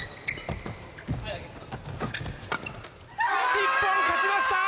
日本、勝ちました！